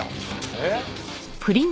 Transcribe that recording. えっ？